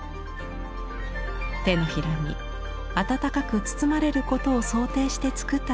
手のひらに温かく包まれることを想定して作ったといいます。